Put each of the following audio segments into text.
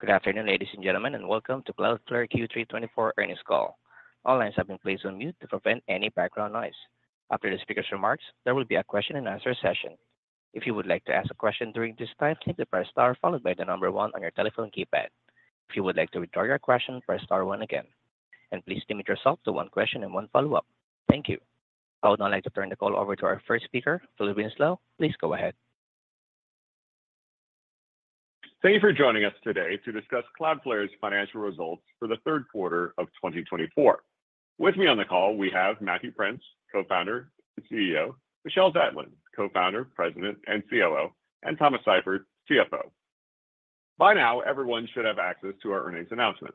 Good afternoon, ladies and gentlemen, and welcome to Cloudflare Q3 2024 earnings call. All lines have been placed on mute to prevent any background noise. After the speaker's remarks, there will be a question-and-answer session. If you would like to ask a question during this time, press star followed by the number one on your telephone keypad. If you would like to withdraw your question, press star one again. And please limit yourself to one question and one follow-up. Thank you. I would now like to turn the call over to our first speaker, Phil Winslow. Please go ahead. Thank you for joining us today to discuss Cloudflare's financial results for the third quarter of 2024. With me on the call, we have Matthew Prince, Co-founder and CEO, Michelle Zatlyn, Co-founder, President and COO, and Thomas Seifert, CFO. By now, everyone should have access to our earnings announcement.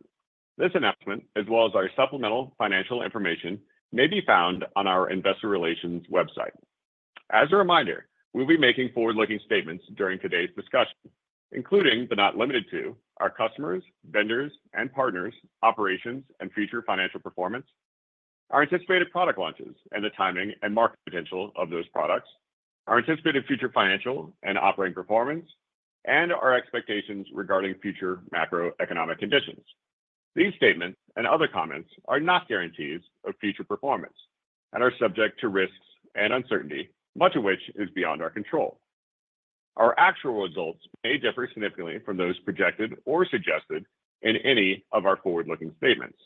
This announcement, as well as our supplemental financial information, may be found on our Investor Relations website. As a reminder, we'll be making forward-looking statements during today's discussion, including but not limited to our customers, vendors and partners, operations and future financial performance, our anticipated product launches, and the timing and market potential of those products, our anticipated future financial and operating performance, and our expectations regarding future macroeconomic conditions. These statements and other comments are not guarantees of future performance and are subject to risks and uncertainty, much of which is beyond our control. Our actual results may differ significantly from those projected or suggested in any of our forward-looking statements.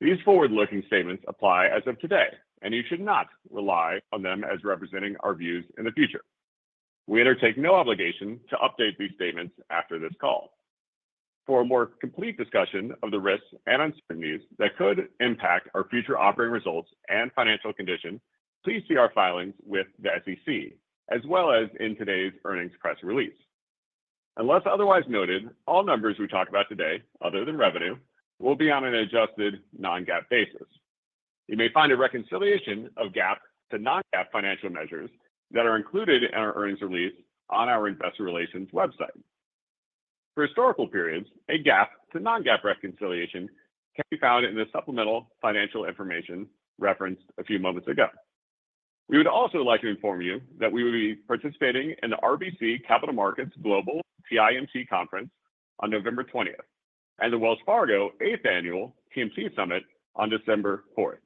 These forward-looking statements apply as of today, and you should not rely on them as representing our views in the future. We undertake no obligation to update these statements after this call. For a more complete discussion of the risks and uncertainties that could impact our future operating results and financial condition, please see our filings with the SEC, as well as in today's earnings press release. Unless otherwise noted, all numbers we talk about today, other than revenue, will be on an adjusted non-GAAP basis. You may find a reconciliation of GAAP to non-GAAP financial measures that are included in our earnings release on our investor relations website. For historical periods, a GAAP to non-GAAP reconciliation can be found in the supplemental financial information referenced a few moments ago. We would also like to inform you that we will be participating in the RBC Capital Markets Global TIMT Conference on November 20th and the Wells Fargo 8th Annual TMT Summit on December 4th.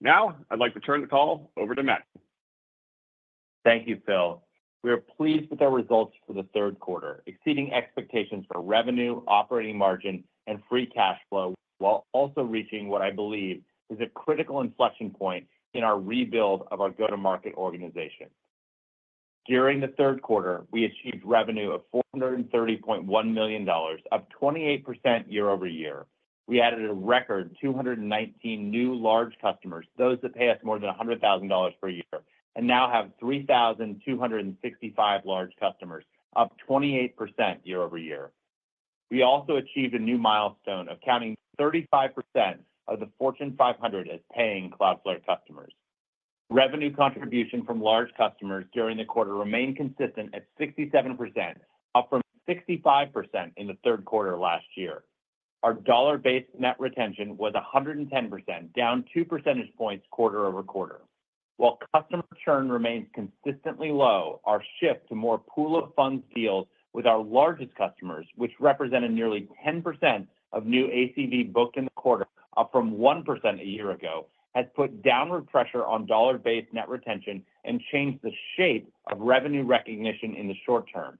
Now, I'd like to turn the call over to Matt. Thank you, Phil. We are pleased with our results for the third quarter, exceeding expectations for revenue, operating margin, and free cash flow, while also reaching what I believe is a critical inflection point in our rebuild of our go-to-market organization. During the third quarter, we achieved revenue of $430.1 million, up 28% year-over-year. We added a record 219 new large customers, those that pay us more than $100,000 per year, and now have 3,265 large customers, up 28% year-over-year. We also achieved a new milestone of counting 35% of the Fortune 500 as paying Cloudflare customers. Revenue contribution from large customers during the quarter remained consistent at 67%, up from 65% in the third quarter last year. Our dollar-based net retention was 110%, down 2 percentage points quarter-over-quarter. While customer churn remains consistently low, our shift to more pool-of-funds deals with our largest customers, which represented nearly 10% of new ACV booked in the quarter, up from 1% a year ago, has put downward pressure on dollar-based net retention and changed the shape of revenue recognition in the short term.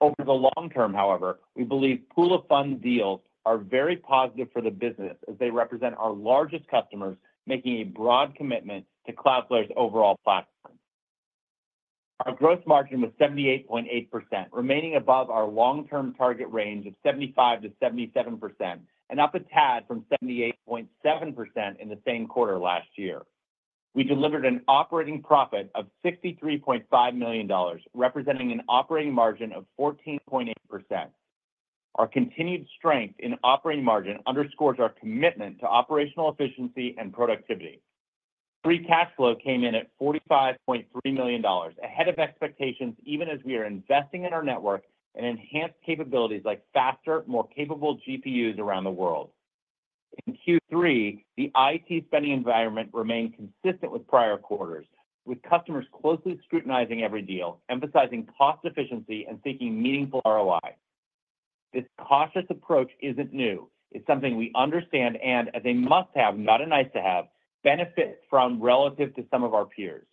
Over the long term, however, we believe pool-of-funds deals are very positive for the business as they represent our largest customers making a broad commitment to Cloudflare's overall platform. Our gross margin was 78.8%, remaining above our long-term target range of 75%-77%, and up a tad from 78.7% in the same quarter last year. We delivered an operating profit of $63.5 million, representing an operating margin of 14.8%. Our continued strength in operating margin underscores our commitment to operational efficiency and productivity. Free cash flow came in at $45.3 million, ahead of expectations, even as we are investing in our network and enhanced capabilities like faster, more capable GPUs around the world. In Q3, the IT spending environment remained consistent with prior quarters, with customers closely scrutinizing every deal, emphasizing cost efficiency and seeking meaningful ROI. This cautious approach isn't new. It's something we understand and, as a must-have, not a nice-to-have, benefits from relative to some of our peers.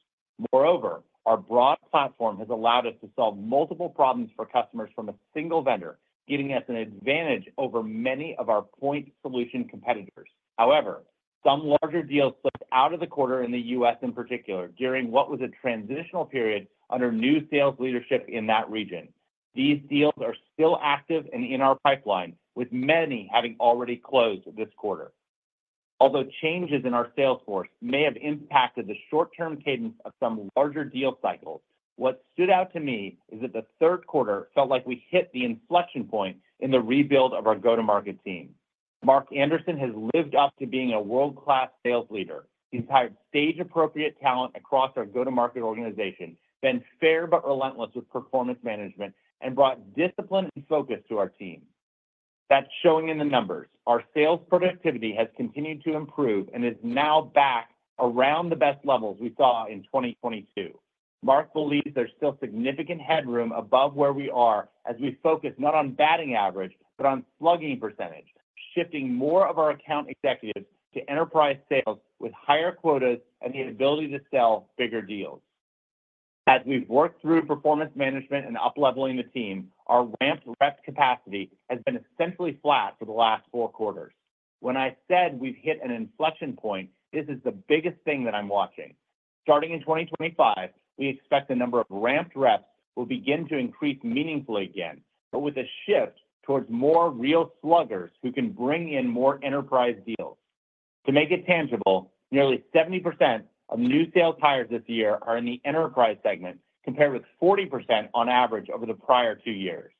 Moreover, our broad platform has allowed us to solve multiple problems for customers from a single vendor, giving us an advantage over many of our point solution competitors. However, some larger deals slipped out of the quarter in the U.S. in particular during what was a transitional period under new sales leadership in that region. These deals are still active and in our pipeline, with many having already closed this quarter. Although changes in our sales force may have impacted the short-term cadence of some larger deal cycles, what stood out to me is that the third quarter felt like we hit the inflection point in the rebuild of our go-to-market team. Mark Anderson has lived up to being a world-class sales leader. He's hired stage-appropriate talent across our go-to-market organization, been fair but relentless with performance management, and brought discipline and focus to our team. That's showing in the numbers. Our sales productivity has continued to improve and is now back around the best levels we saw in 2022. Mark believes there's still significant headroom above where we are as we focus not on batting average, but on slugging percentage, shifting more of our account executives to enterprise sales with higher quotas and the ability to sell bigger deals. As we've worked through performance management and up-leveling the team, our ramped rep capacity has been essentially flat for the last four quarters. When I said we've hit an inflection point, this is the biggest thing that I'm watching. Starting in 2025, we expect the number of ramped reps will begin to increase meaningfully again, but with a shift towards more real sluggers who can bring in more enterprise deals. To make it tangible, nearly 70% of new sales hires this year are in the enterprise segment, compared with 40% on average over the prior two years.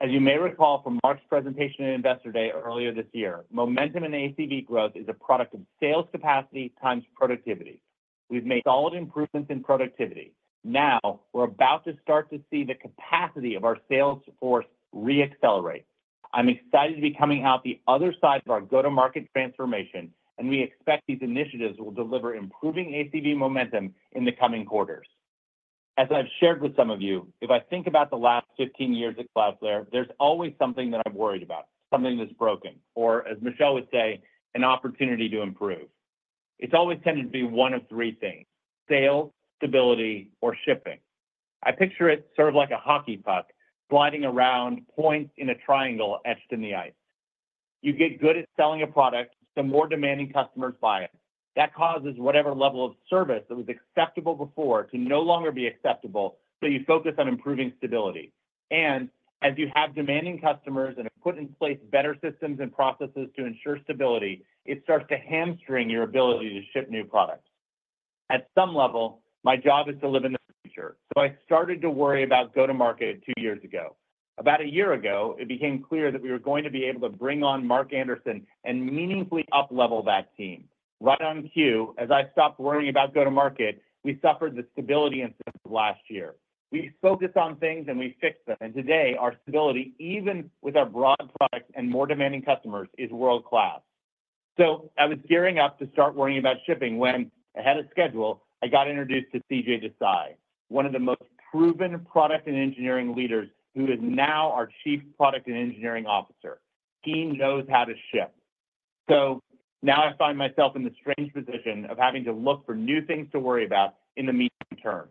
As you may recall from Mark's presentation at Investor Day earlier this year, momentum in ACV growth is a product of sales capacity times productivity. We've made solid improvements in productivity. Now, we're about to start to see the capacity of our sales force re-accelerate. I'm excited to be coming out the other side of our go-to-market transformation, and we expect these initiatives will deliver improving ACV momentum in the coming quarters. As I've shared with some of you, if I think about the last 15 years at Cloudflare, there's always something that I'm worried about, something that's broken, or, as Michelle would say, an opportunity to improve. It's always tended to be one of three things: sales, stability, or shipping. I picture it sort of like a hockey puck sliding around points in a triangle etched in the ice. You get good at selling a product, the more demanding customers buy it. That causes whatever level of service that was acceptable before to no longer be acceptable so you focus on improving stability. As you have demanding customers and have put in place better systems and processes to ensure stability, it starts to hamstring your ability to ship new products. At some level, my job is to live in the future, so I started to worry about go-to-market two years ago. About a year ago, it became clear that we were going to be able to bring on Mark Anderson and meaningfully up-level that team. Right on cue, as I stopped worrying about go-to-market, we suffered the stability incident last year. We focused on things and we fixed them, and today our stability, even with our broad products and more demanding customers, is world-class. I was gearing up to start worrying about shipping when, ahead of schedule, I got introduced to CJ Desai, one of the most proven product and engineering leaders who is now our Chief Product and Engineering Officer. He knows how to ship. So now I find myself in the strange position of having to look for new things to worry about in the medium term.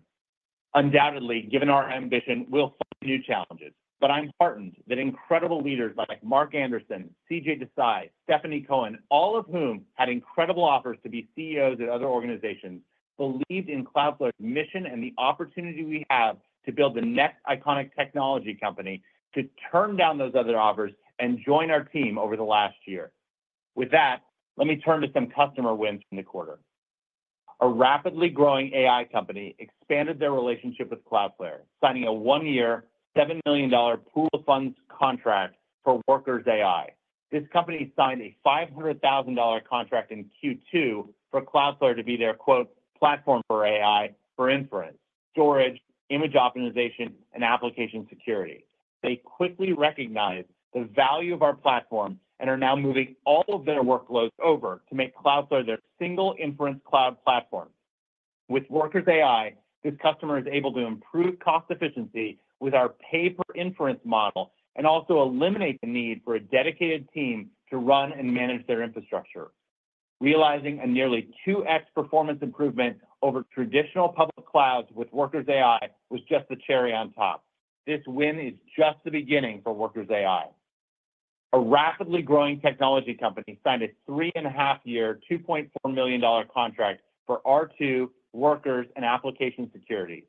Undoubtedly, given our ambition, we'll face new challenges, but I'm heartened that incredible leaders like Mark Anderson, CJ Desai, Stephanie Cohen, all of whom had incredible offers to be CEOs at other organizations, believed in Cloudflare's mission and the opportunity we have to build the next iconic technology company, to turn down those other offers and join our team over the last year. With that, let me turn to some customer wins from the quarter. A rapidly growing AI company expanded their relationship with Cloudflare, signing a one-year, $7 million pool-of-funds contract for Workers AI. This company signed a $500,000 contract in Q2 for Cloudflare to be their "platform for AI for inference, storage, image optimization, and application security." They quickly recognized the value of our platform and are now moving all of their workloads over to make Cloudflare their single inference cloud platform. With Workers AI, this customer is able to improve cost efficiency with our pay-per-inference model and also eliminate the need for a dedicated team to run and manage their infrastructure. Realizing a nearly 2x performance improvement over traditional public clouds with Workers AI was just the cherry on top. This win is just the beginning for Workers AI. A rapidly growing technology company signed a 3.5 year, $2.4 million contract for R2, Workers, and Application Security.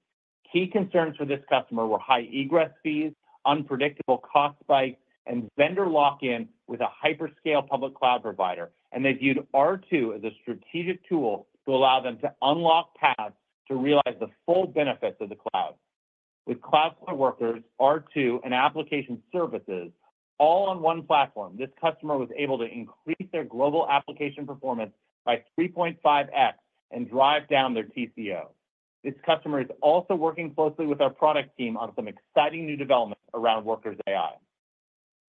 Key concerns for this customer were high egress fees, unpredictable cost spikes, and vendor lock-in with a hyperscaler public cloud provider, and they viewed R2 as a strategic tool to allow them to unlock paths to realize the full benefits of the cloud. With Cloudflare Workers, R2, and Application Services, all on one platform, this customer was able to increase their global application performance by 3.5x and drive down their TCO. This customer is also working closely with our product team on some exciting new developments around Workers AI.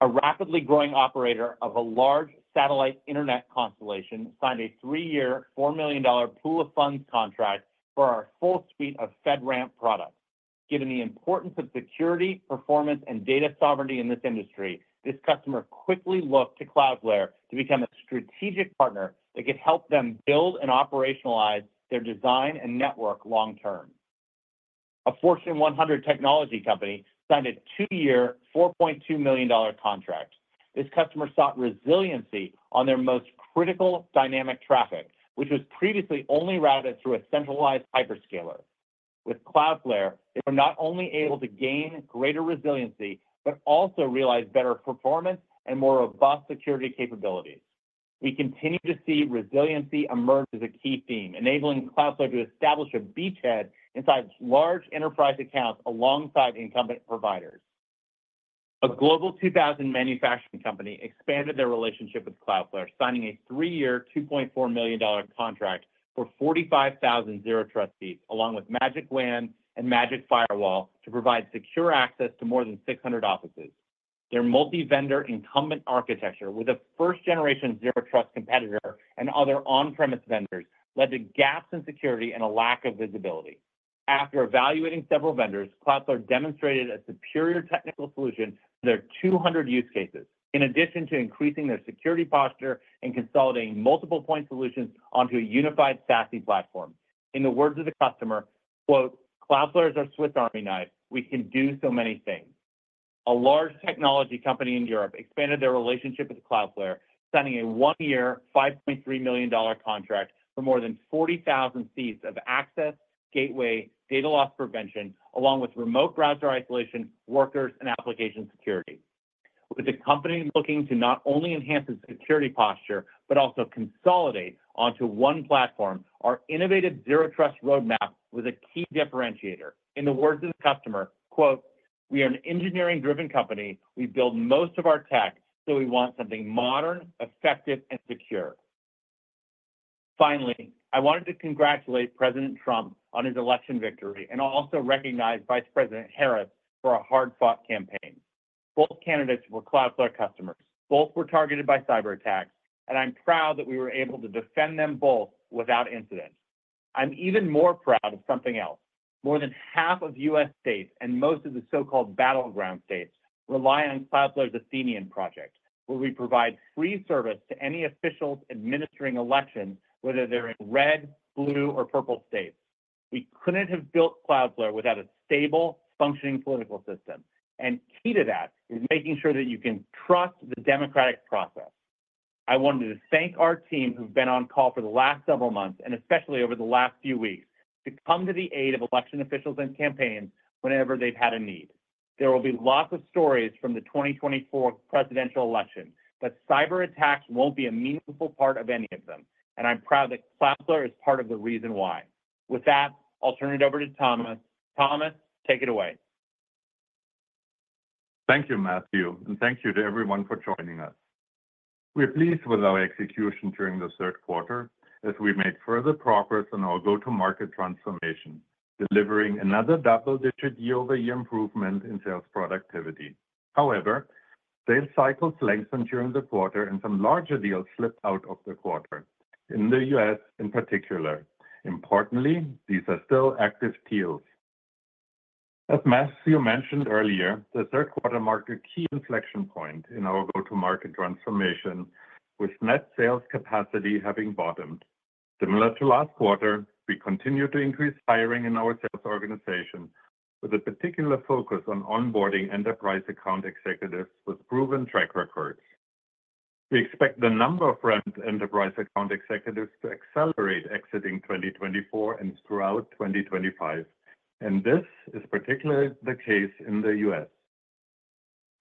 A rapidly growing operator of a large satellite internet constellation signed a three-year, $4 million pool-of-funds contract for our full suite of FedRAMP products. Given the importance of security, performance, and data sovereignty in this industry, this customer quickly looked to Cloudflare to become a strategic partner that could help them build and operationalize their design and network long-term. A Fortune 100 technology company signed a two-year, $4.2 million contract. This customer sought resiliency on their most critical dynamic traffic, which was previously only routed through a centralized hyperscaler. With Cloudflare, they were not only able to gain greater resiliency, but also realize better performance and more robust security capabilities. We continue to see resiliency emerge as a key theme, enabling Cloudflare to establish a beachhead inside large enterprise accounts alongside incumbent providers. A Global 2000 manufacturing company expanded their relationship with Cloudflare, signing a three-year, $2.4 million contract for 45,000 Zero Trust seats, along with Magic WAN and Magic Firewall to provide secure access to more than 600 offices. Their multi-vendor incumbent architecture with a first-generation Zero Trust competitor and other on-premise vendors led to gaps in security and a lack of visibility. After evaluating several vendors, Cloudflare demonstrated a superior technical solution for their 200 use cases, in addition to increasing their security posture and consolidating multiple point solutions onto a unified SASE platform. In the words of the customer, "Cloudflare is our Swiss Army knife. We can do so many things." A large technology company in Europe expanded their relationship with Cloudflare, signing a one-year, $5.3 million contract for more than 40,000 seats of access, Gateway, Data Loss Prevention, along with Remote browser isolation, Workers, and Application Security. With the company looking to not only enhance its security posture but also consolidate onto one platform, our innovative Zero Trust roadmap was a key differentiator. In the words of the customer, "We are an engineering-driven company. We build most of our tech, so we want something modern, effective, and secure." Finally, I wanted to congratulate President Trump on his election victory and also recognize Vice President Harris for a hard-fought campaign. Both candidates were Cloudflare customers. Both were targeted by cyberattacks, and I'm proud that we were able to defend them both without incident. I'm even more proud of something else. More than half of U.S. states and most of the so-called battleground states rely on Cloudflare's Athenian Project, where we provide free service to any officials administering elections, whether they're in red, blue, or purple states. We couldn't have built Cloudflare without a stable, functioning political system, and key to that is making sure that you can trust the democratic process. I wanted to thank our team who've been on call for the last several months, and especially over the last few weeks, to come to the aid of election officials and campaigns whenever they've had a need. There will be lots of stories from the 2024 presidential election, but cyberattacks won't be a meaningful part of any of them, and I'm proud that Cloudflare is part of the reason why. With that, I'll turn it over to Thomas. Thomas, take it away. Thank you, Matthew, and thank you to everyone for joining us. We're pleased with our execution during the third quarter as we've made further progress on our go-to-market transformation, delivering another double-digit year-over-year improvement in sales productivity. However, sales cycles lengthened during the quarter, and some larger deals slipped out of the quarter, in the U.S. in particular. Importantly, these are still active deals. As Matthew mentioned earlier, the third quarter marked a key inflection point in our go-to-market transformation, with net sales capacity having bottomed. Similar to last quarter, we continue to increase hiring in our sales organization, with a particular focus on onboarding enterprise account executives with proven track records. We expect the number of ramped enterprise account executives to accelerate exiting 2024 and throughout 2025, and this is particularly the case in the U.S.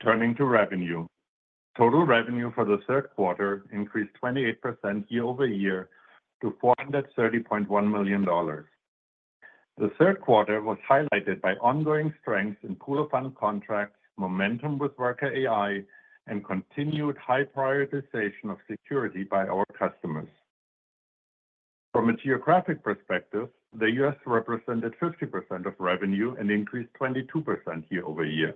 Turning to revenue, total revenue for the third quarter increased 28% year-over-year to $430.1 million. The third quarter was highlighted by ongoing strengths in pool-of-funds contracts, momentum with Workers AI, and continued high prioritization of security by our customers. From a geographic perspective, the U.S. represented 50% of revenue and increased 22% year-over-year.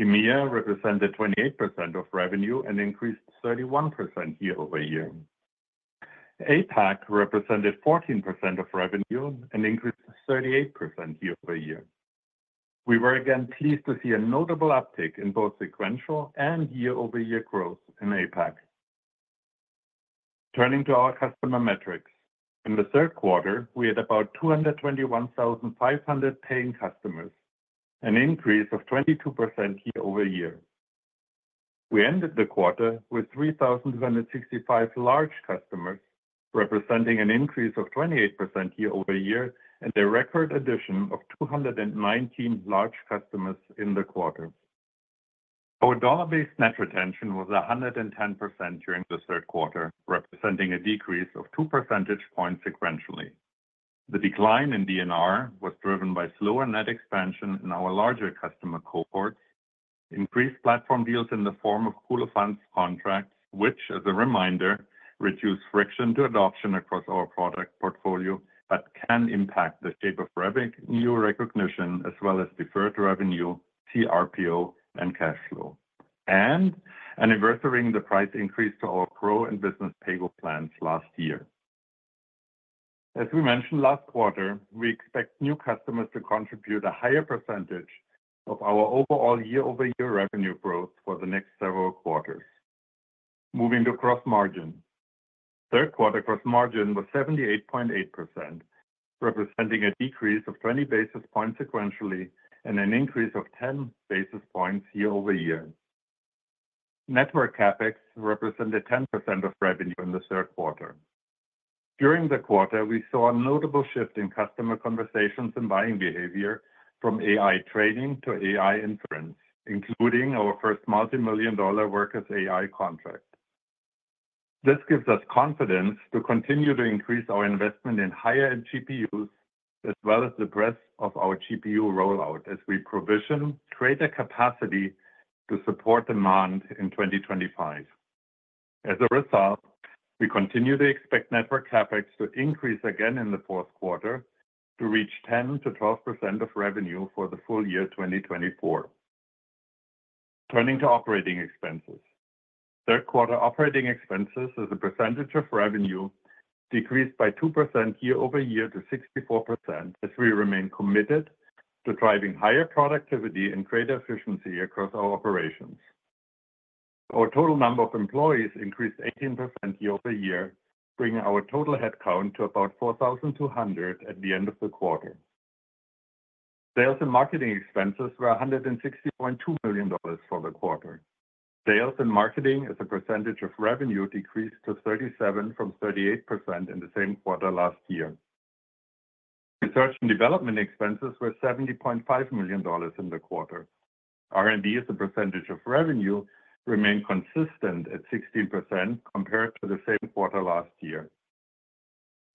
EMEA represented 28% of revenue and increased 31% year-over-year. APAC represented 14% of revenue and increased 38% year-over-year. We were again pleased to see a notable uptick in both sequential and year-over-year growth in APAC. Turning to our customer metrics, in the third quarter, we had about 221,500 paying customers, an increase of 22% year-over-year. We ended the quarter with 3,265 large customers, representing an increase of 28% year-over-year and a record addition of 219 large customers in the quarter. Our dollar-based net retention was 110% during the third quarter, representing a decrease of 2 percentage points sequentially. The decline in DNR was driven by slower net expansion in our larger customer cohorts, increased platform deals in the form of pool-of-funds contracts, which, as a reminder, reduce friction to adoption across our product portfolio but can impact the shape of revenue recognition as well as deferred revenue, CRPO, and cash flow, and anniversarying the price increase to our Pro and Business plans last year. As we mentioned last quarter, we expect new customers to contribute a higher percentage of our overall year-over-year revenue growth for the next several quarters. Moving to gross margin, third quarter gross margin was 78.8%, representing a decrease of 20 basis points sequentially and an increase of 10 basis points year-over-year. Network CapEx represented 10% of revenue in the third quarter. During the quarter, we saw a notable shift in customer conversations and buying behavior from AI training to AI inference, including our first multi-million-dollar Workers AI contract. This gives us confidence to continue to increase our investment in higher-end GPUs as well as the breadth of our GPU rollout as we provision greater capacity to support demand in 2025. As a result, we continue to expect network CapEx to increase again in the fourth quarter to reach 10%-12% of revenue for the full year 2024. Turning to operating expenses, third quarter operating expenses as a percentage of revenue decreased by 2% year-over-year to 64% as we remain committed to driving higher productivity and greater efficiency across our operations. Our total number of employees increased 18% year-over-year, bringing our total headcount to about 4,200 at the end of the quarter. Sales and marketing expenses were $160.2 million for the quarter. Sales and marketing, as a percentage of revenue, decreased to 37% from 38% in the same quarter last year. Research and development expenses were $70.5 million in the quarter. R&D, as a percentage of revenue, remained consistent at 16% compared to the same quarter last year.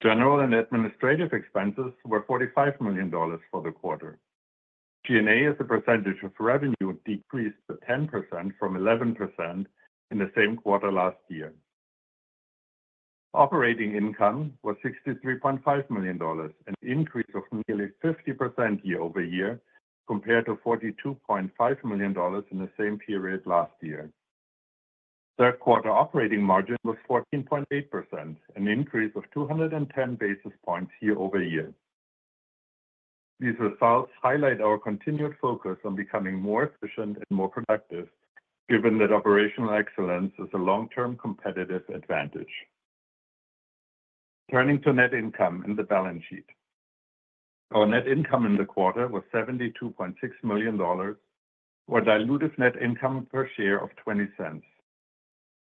General and administrative expenses were $45 million for the quarter. G&A, as a percentage of revenue, decreased to 10% from 11% in the same quarter last year. Operating income was $63.5 million, an increase of nearly 50% year-over-year compared to $42.5 million in the same period last year. Third quarter operating margin was 14.8%, an increase of 210 basis points year-over-year. These results highlight our continued focus on becoming more efficient and more productive, given that operational excellence is a long-term competitive advantage. Turning to net income in the balance sheet, our net income in the quarter was $72.6 million, with a dilutive net income per share of $0.20.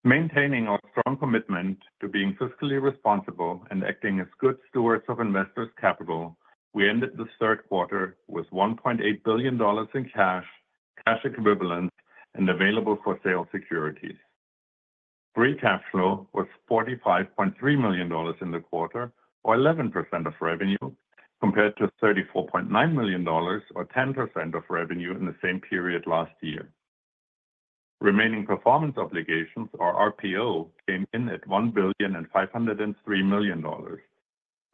Maintaining our strong commitment to being fiscally responsible and acting as good stewards of investors' capital, we ended the third quarter with $1.8 billion in cash, cash equivalents, and available for sale securities. Free cash flow was $45.3 million in the quarter, or 11% of revenue, compared to $34.9 million, or 10% of revenue in the same period last year. Remaining performance obligations, or RPO, came in at $1,503 million,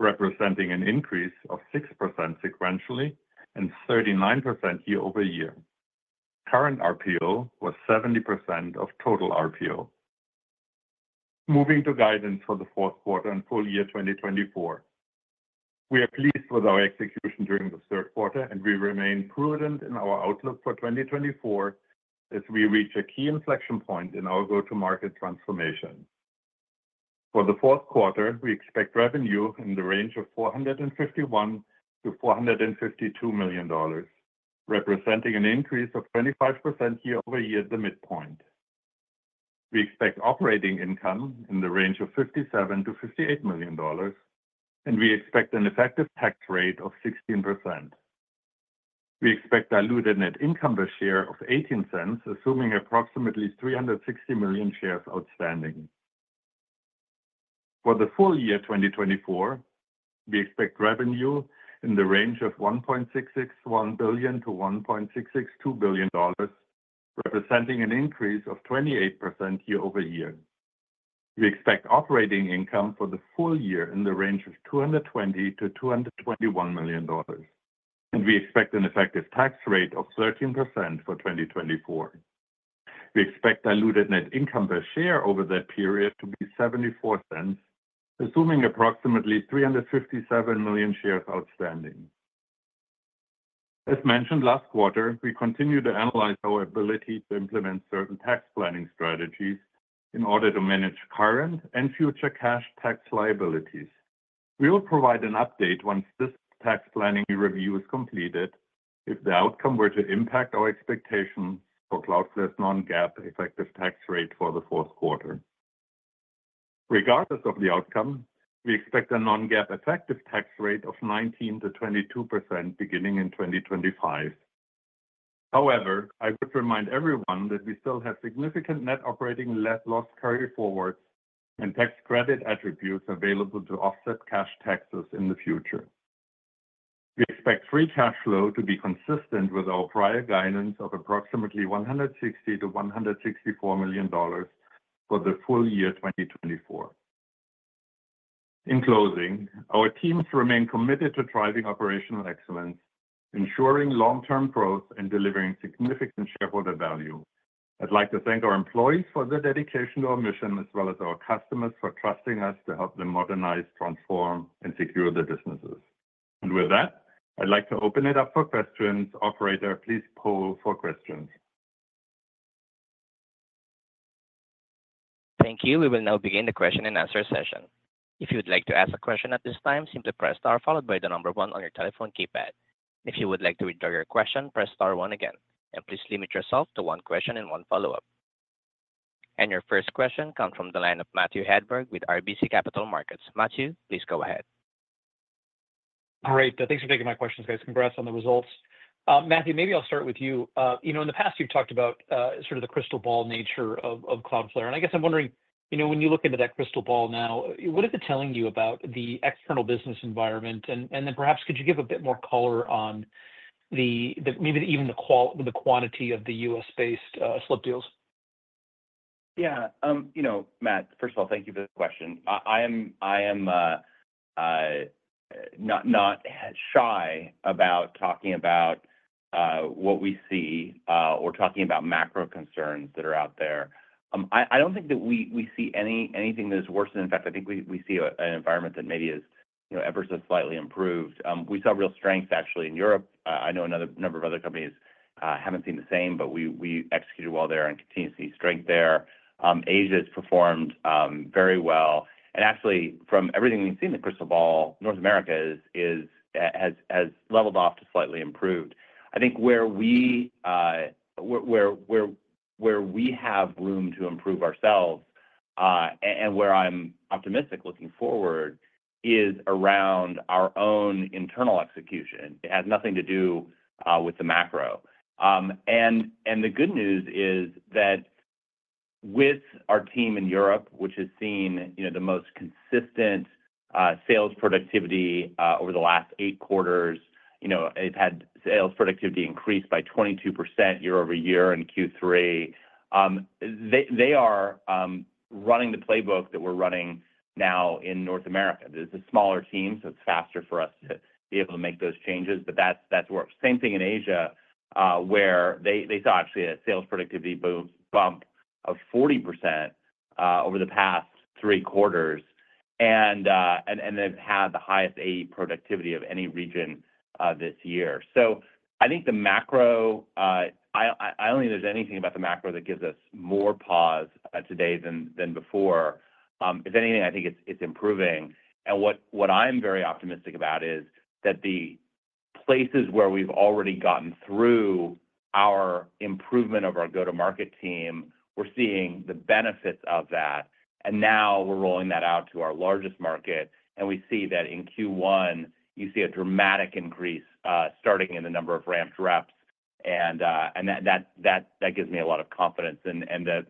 representing an increase of 6% sequentially and 39% year-over-year. Current RPO was 70% of total RPO. Moving to guidance for the fourth quarter and full year 2024, we are pleased with our execution during the third quarter, and we remain prudent in our outlook for 2024 as we reach a key inflection point in our go-to-market transformation. For the fourth quarter, we expect revenue in the range of $451 million-$452 million, representing an increase of 25% year-over-year at the midpoint. We expect operating income in the range of $57 million-$58 million, and we expect an effective tax rate of 16%. We expect diluted net income per share of $0.18, assuming approximately 360 million shares outstanding. For the full year 2024, we expect revenue in the range of $1.661 billion-$1.662 billion, representing an increase of 28% year-over-year. We expect operating income for the full year in the range of $220 million-$221 million, and we expect an effective tax rate of 13% for 2024. We expect diluted net income per share over that period to be $0.74, assuming approximately 357 million shares outstanding. As mentioned last quarter, we continue to analyze our ability to implement certain tax planning strategies in order to manage current and future cash tax liabilities. We will provide an update once this tax planning review is completed if the outcome were to impact our expectations for Cloudflare's non-GAAP effective tax rate for the fourth quarter. Regardless of the outcome, we expect a non-GAAP effective tax rate of 19%-22% beginning in 2025. However, I would remind everyone that we still have significant net operating loss carry forwards and tax credit attributes available to offset cash taxes in the future. We expect free cash flow to be consistent with our prior guidance of approximately $160 million-$164 million for the full year 2024. In closing, our teams remain committed to driving operational excellence, ensuring long-term growth, and delivering significant shareholder value. I'd like to thank our employees for their dedication to our mission, as well as our customers for trusting us to help them modernize, transform, and secure their businesses. And with that, I'd like to open it up for questions. Operator, please poll for questions. Thank you. We will now begin the question-and-answer session. If you'd like to ask a question at this time, simply press star followed by the number one on your telephone keypad. If you would like to withdraw your question, press star one again. And please limit yourself to one question and one follow-up. And your first question comes from the line of Matthew Hedberg with RBC Capital Markets. Matthew, please go ahead. Great. Thanks for taking my questions, guys. Congrats on the results. Matthew, maybe I'll start with you. You know, in the past, you've talked about sort of the crystal ball nature of Cloudflare. And I guess I'm wondering, you know, when you look into that crystal ball now, what is it telling you about the external business environment? And then perhaps could you give a bit more color on maybe even the quantity of the U.S.-based slip deals? Yeah. You know, Matt, first of all, thank you for the question. I am not shy about talking about what we see or talking about macro concerns that are out there. I don't think that we see anything that is worse. And in fact, I think we see an environment that maybe has ever so slightly improved. We saw real strength, actually, in Europe. I know a number of other companies haven't seen the same, but we executed well there and continue to see strength there. Asia has performed very well. And actually, from everything we've seen in the crystal ball, North America has leveled off to slightly improved. I think where we have room to improve ourselves and where I'm optimistic looking forward is around our own internal execution. It has nothing to do with the macro. The good news is that with our team in Europe, which has seen the most consistent sales productivity over the last eight quarters, they've had sales productivity increase by 22% year-over-year in Q3. They are running the playbook that we're running now in North America. It's a smaller team, so it's faster for us to be able to make those changes. That's worked. Same thing in Asia, where they saw actually a sales productivity bump of 40% over the past three quarters. They've had the highest AE productivity of any region this year. I think the macro, I don't think there's anything about the macro that gives us more pause today than before. If anything, I think it's improving. What I'm very optimistic about is that the places where we've already gotten through our improvement of our go-to-market team, we're seeing the benefits of that. And now we're rolling that out to our largest market. And we see that in Q1, you see a dramatic increase starting in the number of ramped reps. And that gives me a lot of confidence. And the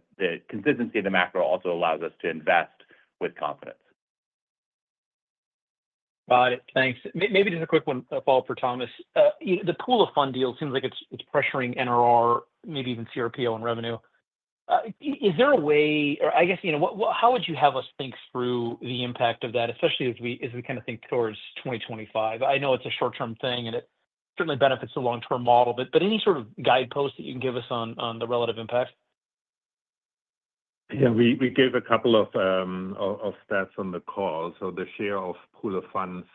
consistency of the macro also allows us to invest with confidence. Got it. Thanks. Maybe just a quick follow-up for Thomas. The pool-of-funds deal seems like it's pressuring NRR, maybe even CRPO and revenue. Is there a way, or I guess, you know, how would you have us think through the impact of that, especially as we kind of think towards 2025? I know it's a short-term thing, and it certainly benefits the long-term model. But any sort of guidepost that you can give us on the relative impact? Yeah. We gave a couple of stats on the call. So the share of pool-of-funds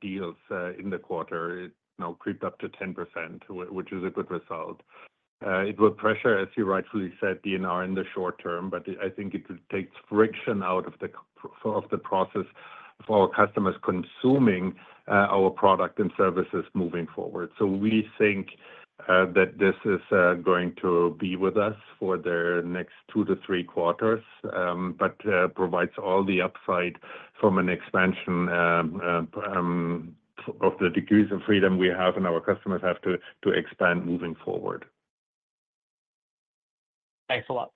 deals in the quarter now crept up to 10%, which is a good result. It will pressure, as you rightfully said, DNR in the short term, but I think it takes friction out of the process for our customers consuming our product and services moving forward. So we think that this is going to be with us for the next two to three quarters, but provides all the upside from an expansion of the degrees of freedom we have and our customers have to expand moving forward. Thanks a lot.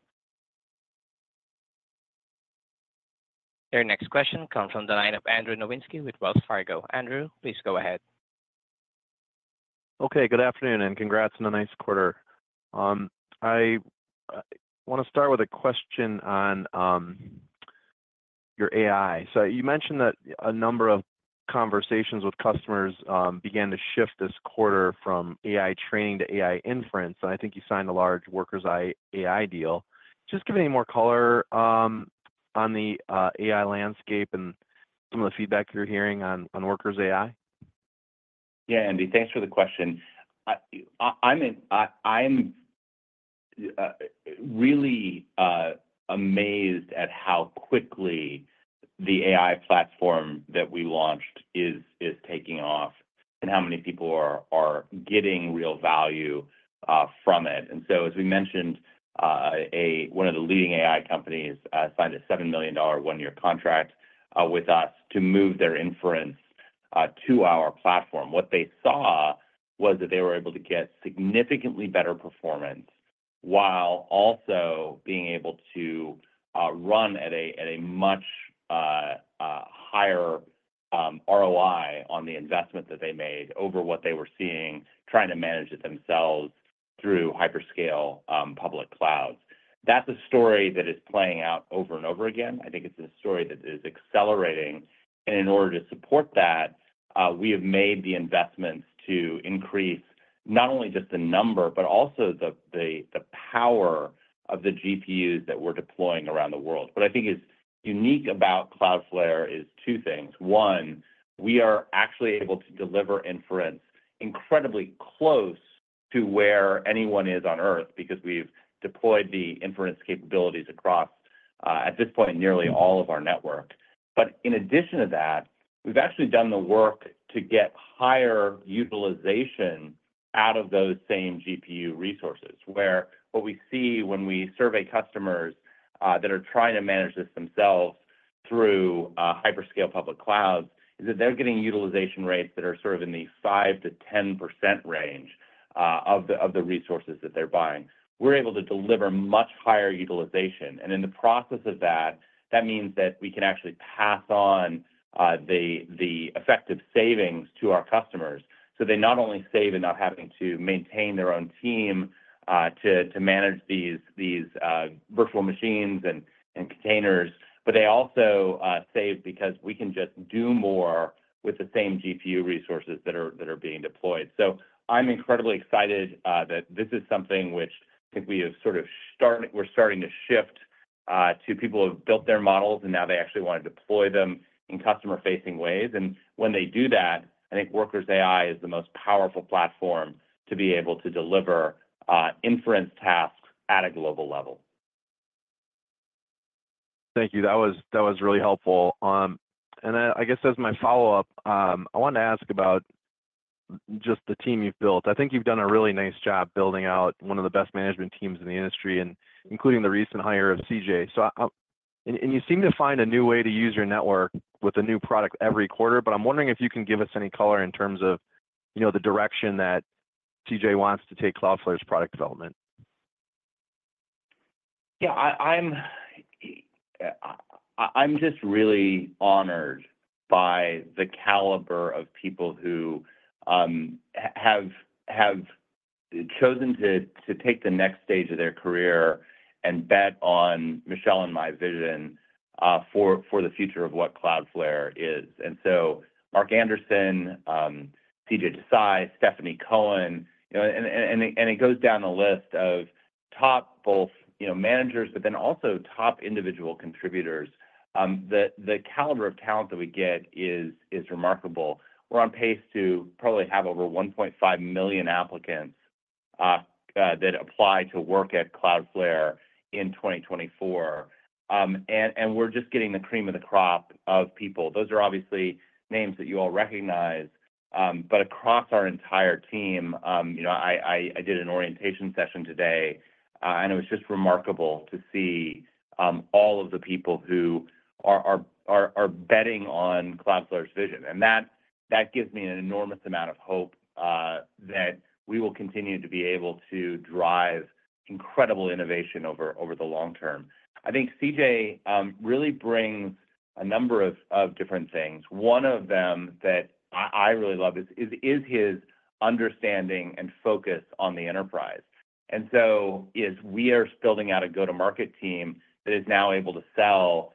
Our next question comes from the line of Andrew Nowinski with Wells Fargo. Andrew, please go ahead. Okay. Good afternoon, and congrats on a nice quarter. I want to start with a question on your AI. So you mentioned that a number of conversations with customers began to shift this quarter from AI training to AI inference. And I think you signed a large Workers AI deal. Just give any more color on the AI landscape and some of the feedback you're hearing on Workers AI. Yeah, Andy, thanks for the question. I'm really amazed at how quickly the AI platform that we launched is taking off and how many people are getting real value from it. And so, as we mentioned, one of the leading AI companies signed a $7 million one-year contract with us to move their inference to our platform. What they saw was that they were able to get significantly better performance while also being able to run at a much higher ROI on the investment that they made over what they were seeing trying to manage it themselves through hyperscale public clouds. That's a story that is playing out over and over again. I think it's a story that is accelerating. And in order to support that, we have made the investments to increase not only just the number, but also the power of the GPUs that we're deploying around the world. What I think is unique about Cloudflare is two things. One, we are actually able to deliver inference incredibly close to where anyone is on Earth because we've deployed the inference capabilities across, at this point, nearly all of our network. But in addition to that, we've actually done the work to get higher utilization out of those same GPU resources, where what we see when we survey customers that are trying to manage this themselves through hyperscale public clouds is that they're getting utilization rates that are sort of in the 5%-10% range of the resources that they're buying. We're able to deliver much higher utilization. And in the process of that, that means that we can actually pass on the effective savings to our customers. So they not only save in not having to maintain their own team to manage these virtual machines and containers, but they also save because we can just do more with the same GPU resources that are being deployed. So I'm incredibly excited that this is something which I think we have sort of started, we're starting to shift to people who have built their models, and now they actually want to deploy them in customer-facing ways. And when they do that, I think Workers AI is the most powerful platform to be able to deliver inference tasks at a global level. Thank you. That was really helpful. And I guess as my follow-up, I wanted to ask about just the team you've built. I think you've done a really nice job building out one of the best management teams in the industry, including the recent hire of CJ. And you seem to find a new way to use your network with a new product every quarter. But I'm wondering if you can give us any color in terms of the direction that CJ wants to take Cloudflare's product development? Yeah. I'm just really honored by the caliber of people who have chosen to take the next stage of their career and bet on Michelle and my vision for the future of what Cloudflare is. And so Mark Anderson, CJ Desai, Stephanie Cohen, and it goes down the list of top both managers, but then also top individual contributors. The caliber of talent that we get is remarkable. We're on pace to probably have over 1.5 million applicants that apply to work at Cloudflare in 2024. And we're just getting the cream of the crop of people. Those are obviously names that you all recognize. But across our entire team, I did an orientation session today, and it was just remarkable to see all of the people who are betting on Cloudflare's vision. That gives me an enormous amount of hope that we will continue to be able to drive incredible innovation over the long term. I think CJ really brings a number of different things. One of them that I really love is his understanding and focus on the enterprise. As we are building out a go-to-market team that is now able to sell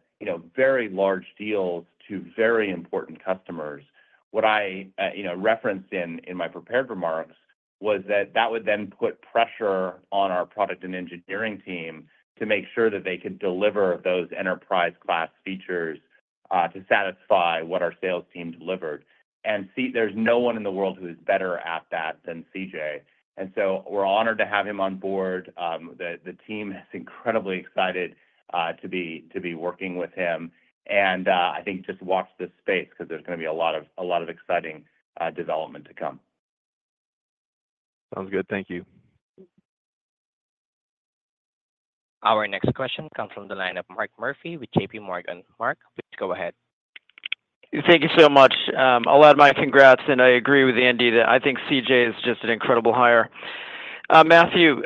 very large deals to very important customers, what I referenced in my prepared remarks was that that would then put pressure on our product and engineering team to make sure that they could deliver those enterprise-class features to satisfy what our sales team delivered. There's no one in the world who is better at that than CJ. We're honored to have him on board. The team is incredibly excited to be working with him. I think just watch this space because there's going to be a lot of exciting development to come. Sounds good. Thank you. Our next question comes from the line of Mark Murphy with JPMorgan. Mark, please go ahead. Thank you so much. A lot of my congrats. And I agree with Andy that I think CJ is just an incredible hire. Matthew,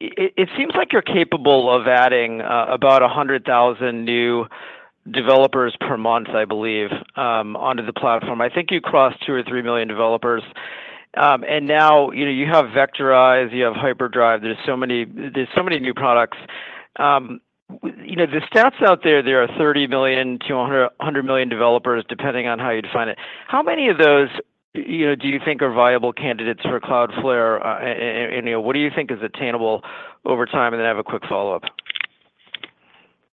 it seems like you're capable of adding about 100,000 new developers per month, I believe, onto the platform. I think you crossed 2 million or 3 million developers. And now you have Vectorize, you have Hyperdrive. There's so many new products. The stats out there, there are 30 billion to a 100 million developers, depending on how you define it. How many of those do you think are viable candidates for Cloudflare? And what do you think is attainable over time? And then I have a quick follow-up.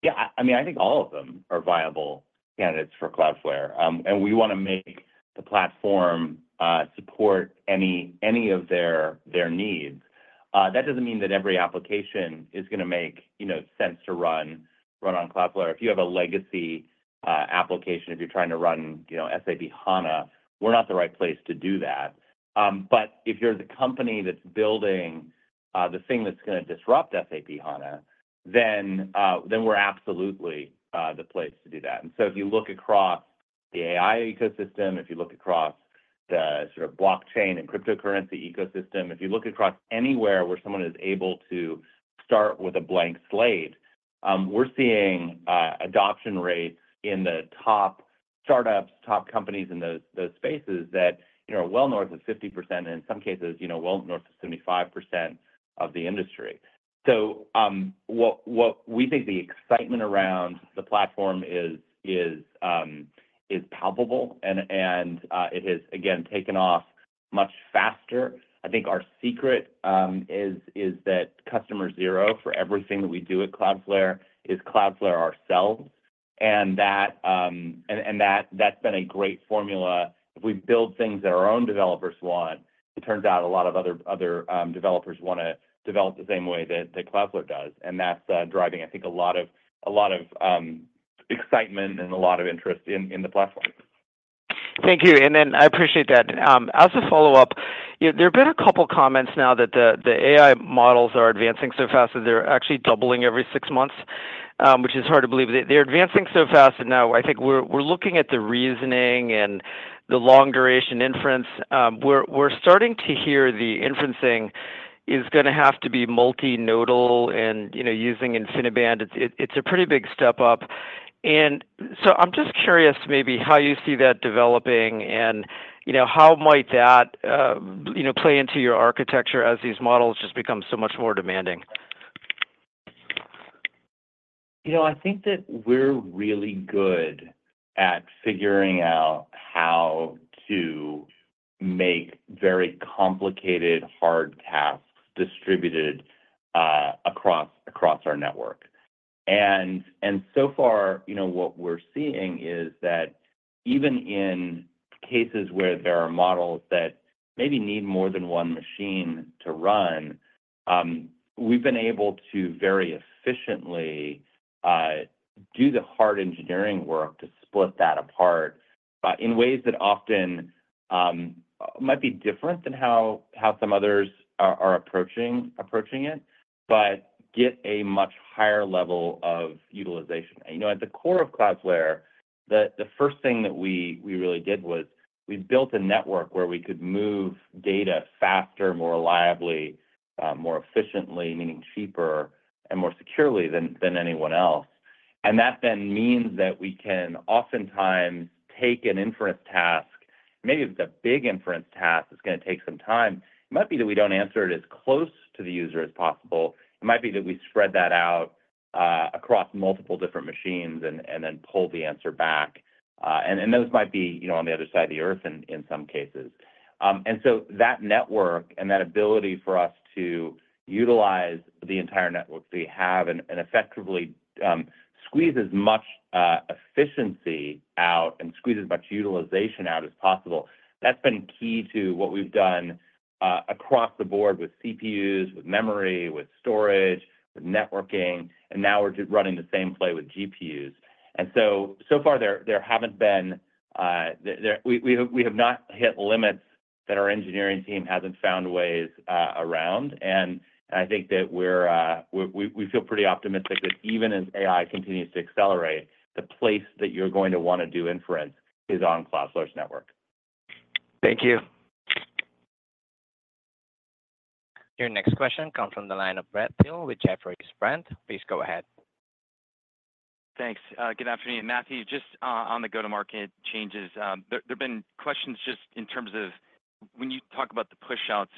Yeah. I mean, I think all of them are viable candidates for Cloudflare. And we want to make the platform support any of their needs. That doesn't mean that every application is going to make sense to run on Cloudflare. If you have a legacy application, if you're trying to run SAP HANA, we're not the right place to do that. But if you're the company that's building the thing that's going to disrupt SAP HANA, then we're absolutely the place to do that. And so if you look across the AI ecosystem, if you look across the sort of blockchain and cryptocurrency ecosystem, if you look across anywhere where someone is able to start with a blank slate, we're seeing adoption rates in the top startups, top companies in those spaces that are well north of 50%, and in some cases, well north of 75% of the industry. So we think the excitement around the platform is palpable, and it has, again, taken off much faster. I think our secret is that customer zero for everything that we do at Cloudflare is Cloudflare ourselves. And that's been a great formula. If we build things that our own developers want, it turns out a lot of other developers want to develop the same way that Cloudflare does. And that's driving, I think, a lot of excitement and a lot of interest in the platform. Thank you. And then I appreciate that. As a follow-up, there have been a couple of comments now that the AI models are advancing so fast that they're actually doubling every six months, which is hard to believe. They're advancing so fast. And now I think we're looking at the reasoning and the long-duration inference. We're starting to hear the inferencing is going to have to be multi-nodal and using InfiniBand. It's a pretty big step up. And so I'm just curious maybe how you see that developing and how might that play into your architecture as these models just become so much more demanding? You know, I think that we're really good at figuring out how to make very complicated, hard tasks distributed across our network. And so far, what we're seeing is that even in cases where there are models that maybe need more than one machine to run, we've been able to very efficiently do the hard engineering work to split that apart in ways that often might be different than how some others are approaching it, but get a much higher level of utilization. And at the core of Cloudflare, the first thing that we really did was we built a network where we could move data faster, more reliably, more efficiently, meaning cheaper and more securely than anyone else. And that then means that we can oftentimes take an inference task, maybe it's a big inference task that's going to take some time. It might be that we don't answer it as close to the user as possible. It might be that we spread that out across multiple different machines and then pull the answer back. And those might be on the other side of the earth in some cases. And so that network and that ability for us to utilize the entire network that we have and effectively squeeze as much efficiency out and squeeze as much utilization out as possible, that's been key to what we've done across the board with CPUs, with memory, with storage, with networking. And now we're running the same play with GPUs. And so far, there haven't been, we have not hit limits that our engineering team hasn't found ways around. I think that we feel pretty optimistic that even as AI continues to accelerate, the place that you're going to want to do inference is on Cloudflare's network. Thank you. Your next question comes from the line of Brent Thill with Jefferies. Please go ahead. Thanks. Good afternoon. Matthew, just on the go-to-market changes, there have been questions just in terms of when you talk about the push-outs,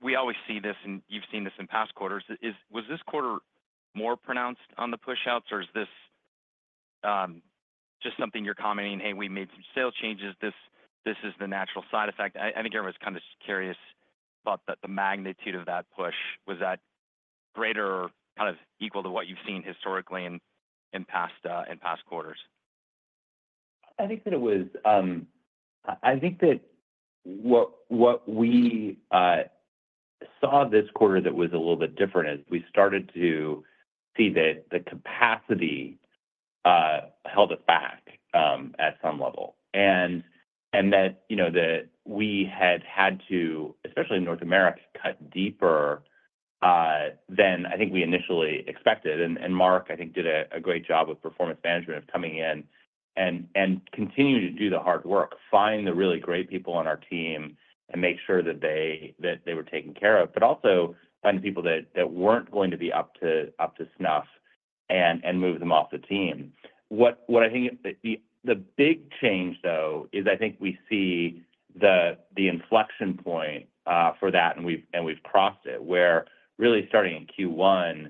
we always see this, and you've seen this in past quarters. Was this quarter more pronounced on the push-outs, or is this just something you're commenting, "Hey, we made some sales changes. This is the natural side effect"? I think everyone's kind of just curious about the magnitude of that push. Was that greater or kind of equal to what you've seen historically in past quarters? I think that what we saw this quarter that was a little bit different is we started to see that the capacity held us back at some level. And that we had had to, especially in North America, cut deeper than I think we initially expected. And Mark, I think, did a great job with performance management of coming in and continuing to do the hard work, find the really great people on our team, and make sure that they were taken care of, but also find the people that weren't going to be up to snuff and move them off the team. What I think the big change, though, is I think we see the inflection point for that, and we've crossed it, where really starting in Q1,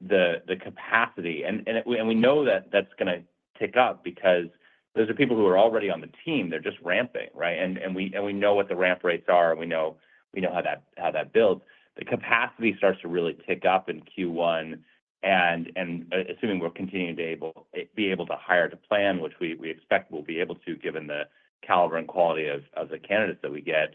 the capacity, and we know that that's going to tick up because those are people who are already on the team. They're just ramping, right, and we know what the ramp rates are, and we know how that builds. The capacity starts to really tick up in Q1, and assuming we're continuing to be able to hire to plan, which we expect we'll be able to given the caliber and quality of the candidates that we get,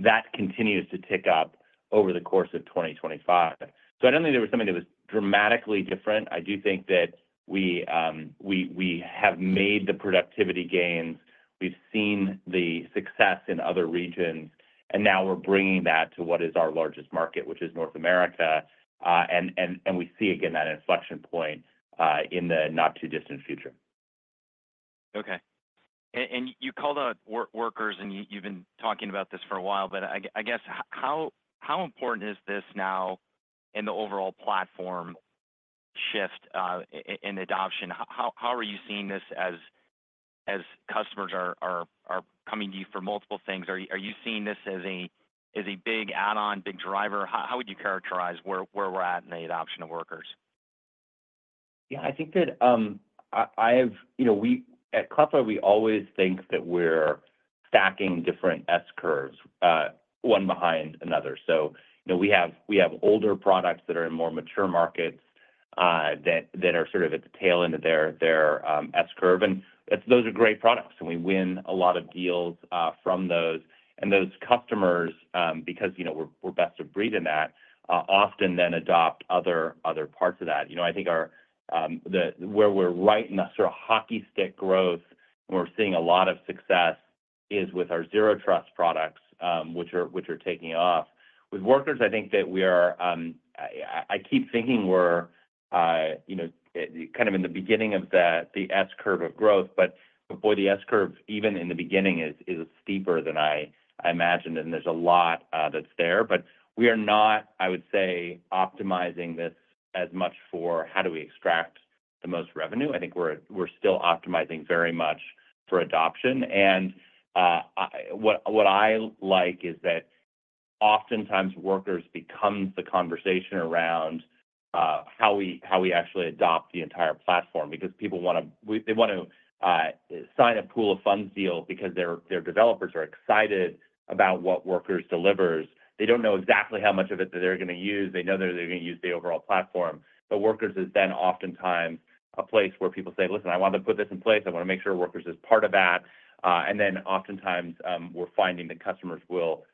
that continues to tick up over the course of 2025, so I don't think there was something that was dramatically different. I do think that we have made the productivity gains. We've seen the success in other regions. Now we're bringing that to what is our largest market, which is North America. We see, again, that inflection point in the not-too-distant future. Okay. And you called out Workers, and you've been talking about this for a while. But I guess, how important is this now in the overall platform shift in adoption? How are you seeing this as customers are coming to you for multiple things? Are you seeing this as a big add-on, big driver? How would you characterize where we're at in the adoption of Workers? Yeah. I think that I have—at Cloudflare, we always think that we're stacking different S-curves, one behind another. So we have older products that are in more mature markets that are sort of at the tail end of their S-curve. And those are great products. And we win a lot of deals from those. And those customers, because we're best of breed in that, often then adopt other parts of that. I think where we're right in the sort of hockey stick growth, and we're seeing a lot of success is with our Zero Trust products, which are taking off. With Workers, I think that we are. I keep thinking we're kind of in the beginning of the S-curve of growth. But boy, the S-curve, even in the beginning, is steeper than I imagined. And there's a lot that's there. But we are not, I would say, optimizing this as much for how do we extract the most revenue. I think we're still optimizing very much for adoption. And what I like is that oftentimes Workers become the conversation around how we actually adopt the entire platform because people want to, they want to sign a pool-of-funds deal because their developers are excited about what Workers delivers. They don't know exactly how much of it that they're going to use. They know that they're going to use the overall platform. But Workers is then oftentimes a place where people say, "Listen, I want to put this in place. I want to make sure Workers is part of that." And then oftentimes we're finding that customers will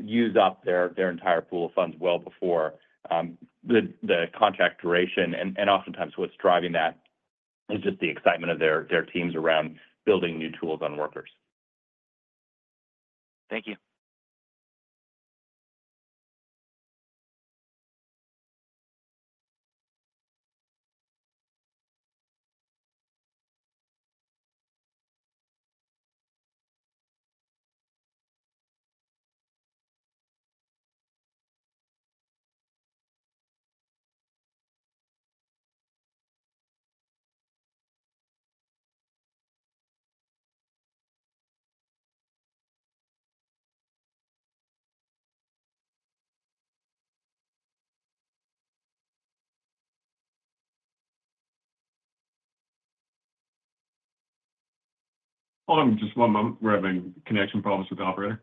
use up their entire pool of funds well before the contract duration. Oftentimes what's driving that is just the excitement of their teams around building new tools on Workers. Thank you. Hold on just one moment. We're having connection problems with the Operator.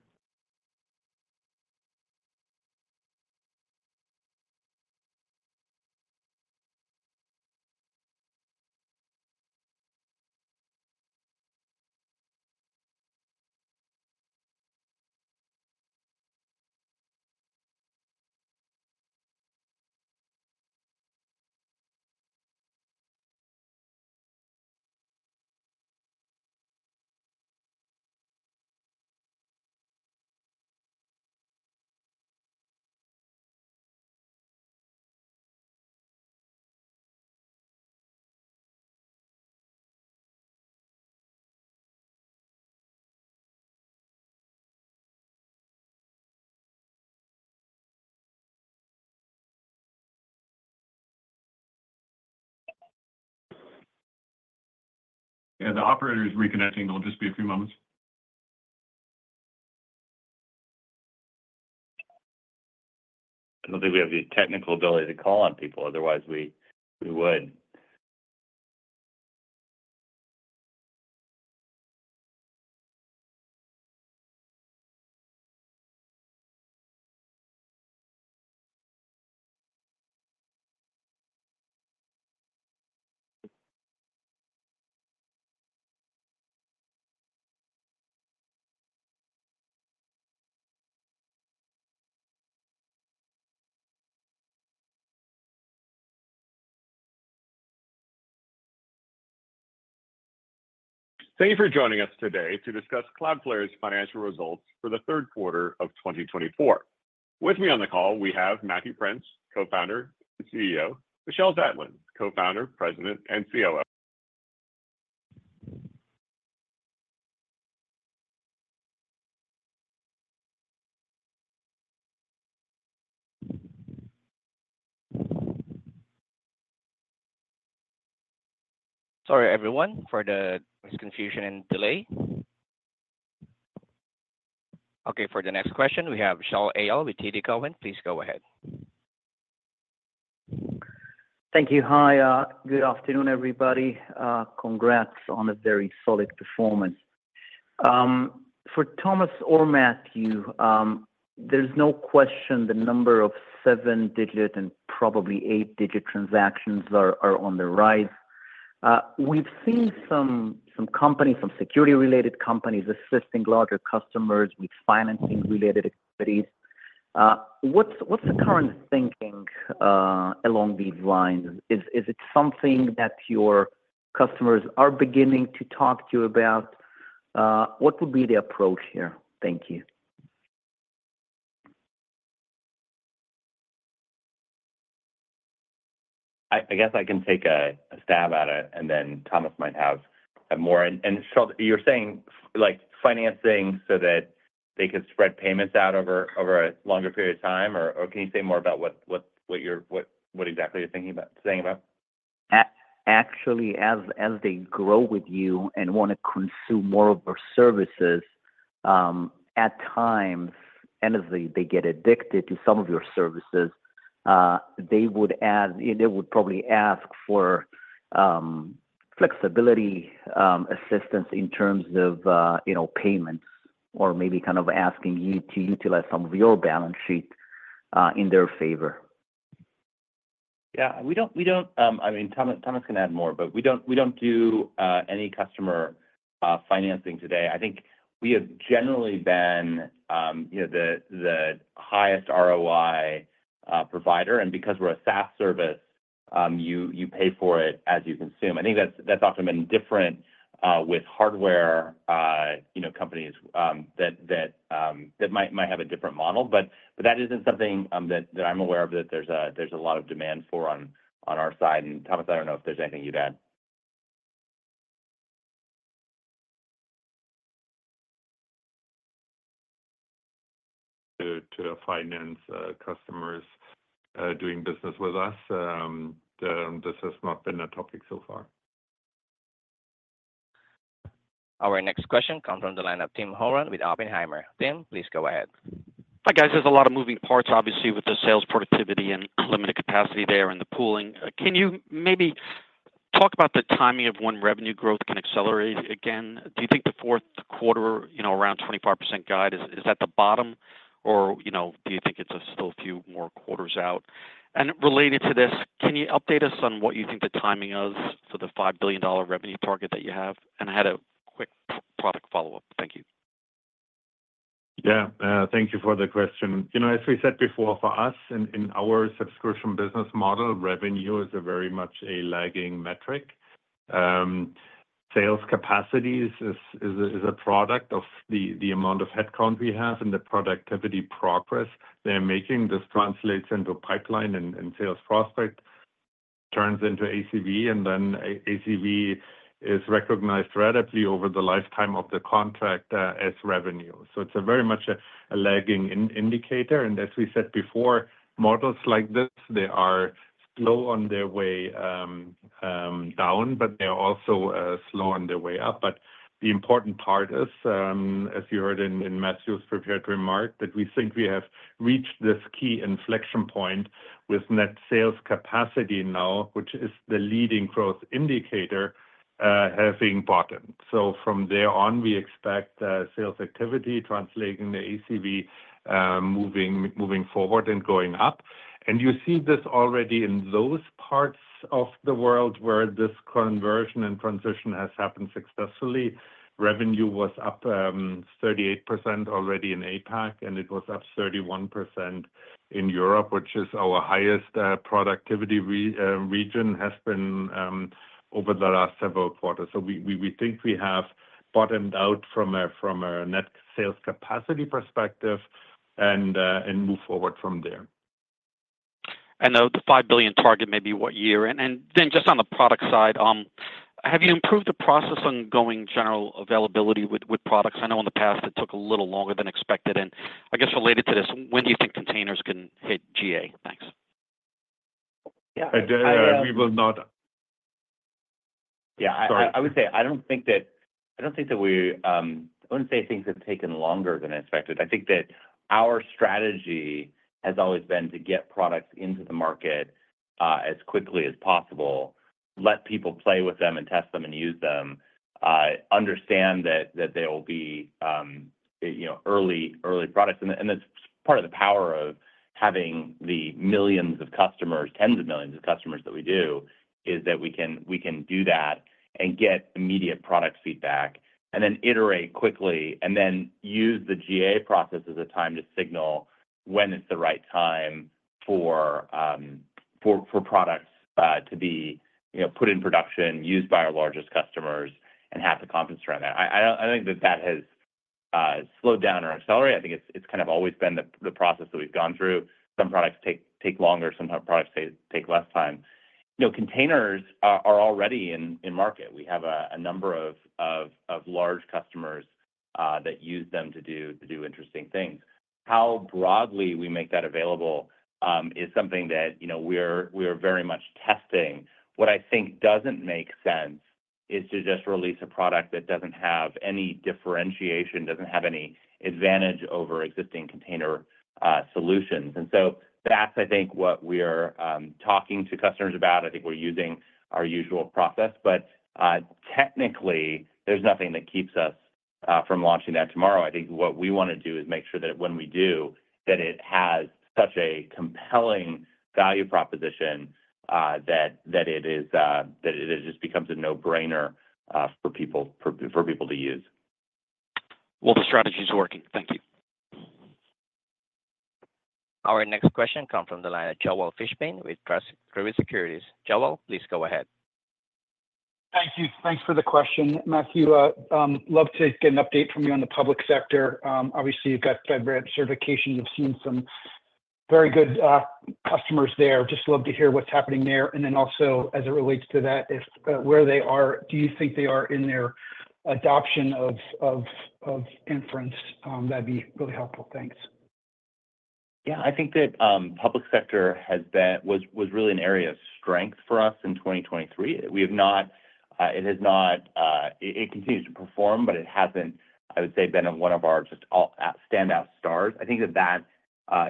Yeah. The Operator is reconnecting. It'll just be a few moments. I don't think we have the technical ability to call on people. Otherwise, we would. Thank you for joining us today to discuss Cloudflare's financial results for the third quarter of 2024. With me on the call, we have Matthew Prince, Co-founder and CEO, Michelle Zatlyn, Co-founder, President and COO. Sorry, everyone, for the confusion and delay. Okay. For the next question, we have Shaul Eyal with TD Cowen. Please go ahead. Thank you. Hi. Good afternoon, everybody. Congrats on a very solid performance. For Thomas or Matthew, there's no question the number of seven-digit and probably eight-digit transactions are on the rise. We've seen some companies, some security-related companies assisting larger customers with financing-related activities. What's the current thinking along these lines? Is it something that your customers are beginning to talk to you about? What would be the approach here? Thank you. I guess I can take a stab at it, and then Thomas might have more, and Michelle, you're saying financing so that they could spread payments out over a longer period of time, or can you say more about what exactly you're saying about? Actually, as they grow with you and want to consume more of our services, at times, and as they get addicted to some of your services, they would probably ask for flexibility assistance in terms of payments or maybe kind of asking you to utilize some of your balance sheet in their favor. Yeah. I mean, Thomas can add more, but we don't do any customer financing today. I think we have generally been the highest ROI provider. And because we're a SaaS service, you pay for it as you consume. I think that's often been different with hardware companies that might have a different model. But that isn't something that I'm aware of that there's a lot of demand for on our side. And Thomas, I don't know if there's anything you'd add. To finance customers doing business with us, this has not been a topic so far. Our next question comes from the line of Tim Horan with Oppenheimer. Tim, please go ahead. Hi, guys. There's a lot of moving parts, obviously, with the sales productivity and limited capacity there and the pooling. Can you maybe talk about the timing of when revenue growth can accelerate again? Do you think the fourth quarter, around 25% guide, is that the bottom, or do you think it's still a few more quarters out? And related to this, can you update us on what you think the timing is for the $5 billion revenue target that you have? And I had a quick product follow-up. Thank you. Yeah. Thank you for the question. As we said before, for us, in our subscription business model, revenue is very much a lagging metric. Sales capacity is a product of the amount of headcount we have and the productivity progress they're making. This translates into pipeline and sales prospect turns into ACV, and then ACV is recognized ratably over the lifetime of the contract as revenue. So it's very much a lagging indicator. And as we said before, models like this, they are slow on their way down, but they are also slow on their way up. But the important part is, as you heard in Matthew's prepared remark, that we think we have reached this key inflection point with net sales capacity now, which is the leading growth indicator, having bottomed. So from there on, we expect sales activity translating to ACV moving forward and going up. And you see this already in those parts of the world where this conversion and transition has happened successfully. Revenue was up 38% already in APAC, and it was up 31% in Europe, which is our highest productivity region, has been over the last several quarters. So we think we have bottomed out from a net sales capacity perspective and move forward from there. And the $5 billion target, maybe what year? And then just on the product side, have you improved the process on going general availability with products? I know in the past, it took a little longer than expected. And I guess related to this, when do you think containers can hit GA? Thanks. Yeah. We will not. Yeah. I would say, I don't think that. I don't think that we, I wouldn't say things have taken longer than expected. I think that our strategy has always been to get products into the market as quickly as possible, let people play with them and test them and use them, understand that they will be early products. And that's part of the power of having the millions of customers, tens of millions of customers that we do, is that we can do that and get immediate product feedback and then iterate quickly and then use the GA process as a time to signal when it's the right time for products to be put in production, used by our largest customers, and have the confidence around that. I don't think that that has slowed down or accelerated. I think it's kind of always been the process that we've gone through. Some products take longer. Some products take less time. Containers are already in market. We have a number of large customers that use them to do interesting things. How broadly we make that available is something that we are very much testing. What I think doesn't make sense is to just release a product that doesn't have any differentiation, doesn't have any advantage over existing container solutions. And so that's, I think, what we're talking to customers about. I think we're using our usual process. But technically, there's nothing that keeps us from launching that tomorrow. I think what we want to do is make sure that when we do, that it has such a compelling value proposition that it just becomes a no-brainer for people to use. Well, the strategy is working. Thank you. Our next question comes from the line of Joel Fishbein with Truist Securities. Joel, please go ahead. Thank you. Thanks for the question, Matthew. Love to get an update from you on the public sector. Obviously, you've got FedRAMP certification. You've seen some very good customers there. Just love to hear what's happening there, and then also, as it relates to that, where they are, do you think they are in their adoption of inference? That'd be really helpful. Thanks. Yeah. I think that public sector was really an area of strength for us in 2023. It has not continued to perform, but it hasn't, I would say, been one of our just standout stars. I think that that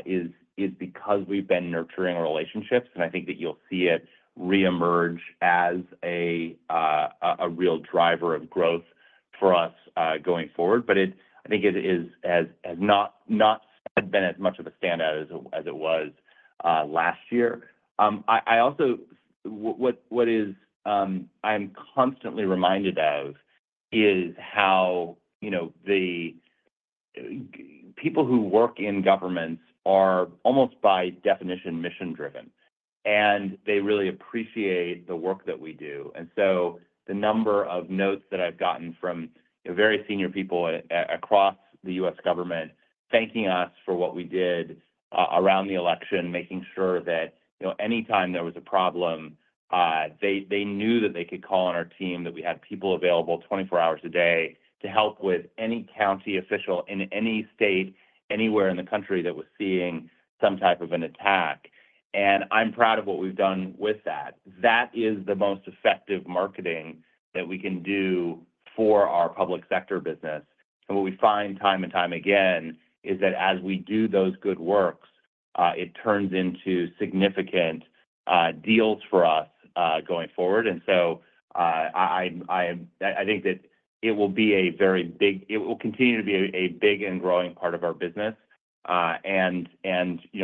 is because we've been nurturing relationships, and I think that you'll see it reemerge as a real driver of growth for us going forward. But I think it has not been as much of a standout as it was last year. I also, what I am constantly reminded of is how the people who work in governments are almost by definition mission-driven, and they really appreciate the work that we do. And so the number of notes that I've gotten from very senior people across the U.S. government thanking us for what we did around the election, making sure that anytime there was a problem, they knew that they could call on our team, that we had people available 24 hours a day to help with any county official in any state, anywhere in the country that was seeing some type of an attack. And I'm proud of what we've done with that. That is the most effective marketing that we can do for our public sector business. And what we find time and time again is that as we do those good works, it turns into significant deals for us going forward. And so I think that it will be a very big and growing part of our business.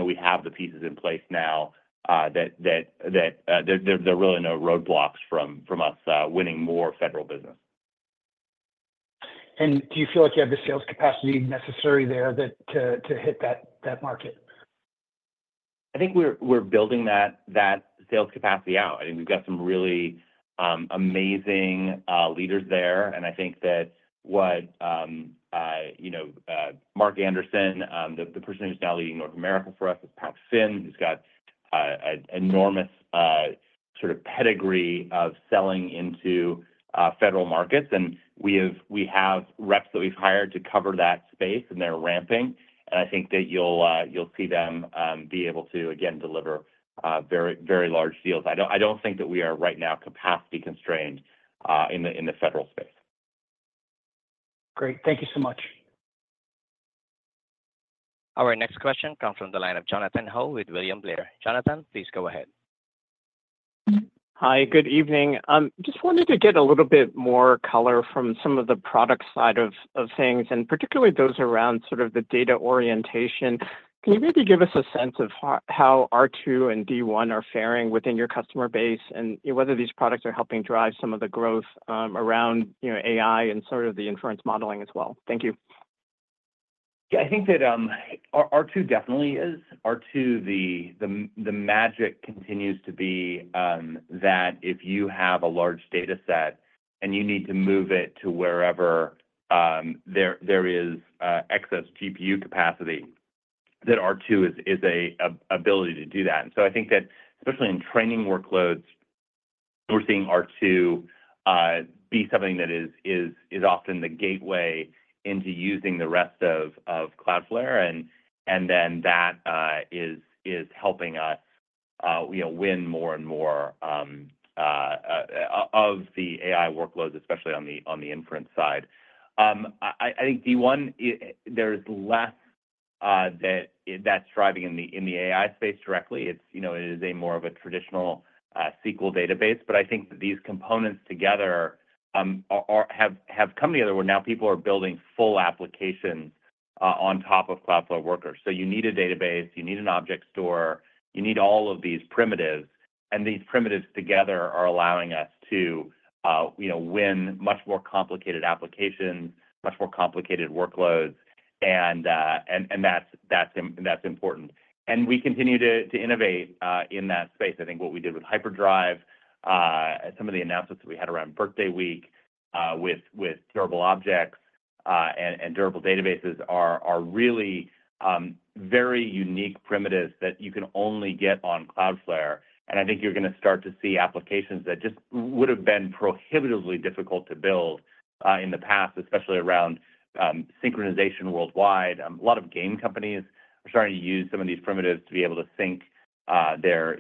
We have the pieces in place now that there are really no roadblocks from us winning more federal business. Do you feel like you have the sales capacity necessary there to hit that market? I think we're building that sales capacity out. I think we've got some really amazing leaders there, and I think that what Mark Anderson, the person who's now leading North America for us, is Pat Finn, who's got an enormous sort of pedigree of selling into federal markets, and we have reps that we've hired to cover that space, and they're ramping, and I think that you'll see them be able to, again, deliver very large deals. I don't think that we are right now capacity constrained in the federal space. Great. Thank you so much. Our next question comes from the line of Jonathan Ho with William Blair. Jonathan, please go ahead. Hi. Good evening. Just wanted to get a little bit more color from some of the product side of things, and particularly those around sort of the data orientation. Can you maybe give us a sense of how R2 and D1 are faring within your customer base and whether these products are helping drive some of the growth around AI and sort of the inference modeling as well? Thank you. Yeah. I think that R2 definitely is. R2, the magic continues to be that if you have a large dataset and you need to move it to wherever there is excess GPU capacity, that R2 is an ability to do that. And so I think that especially in training workloads, we're seeing R2 be something that is often the gateway into using the rest of Cloudflare. And then that is helping us win more and more of the AI workloads, especially on the inference side. I think D1, there's less that's driving in the AI space directly. It is more of a traditional SQL database. But I think that these components together have come together where now people are building full applications on top of Cloudflare Workers. So you need a database. You need an object store. You need all of these primitives. These primitives together are allowing us to win much more complicated applications, much more complicated workloads. That's important. We continue to innovate in that space. I think what we did with Hyperdrive, some of the announcements that we had around Birthday Week with Durable Objects and durable databases are really very unique primitives that you can only get on Cloudflare. I think you're going to start to see applications that just would have been prohibitively difficult to build in the past, especially around synchronization worldwide. A lot of game companies are starting to use some of these primitives to be able to sync their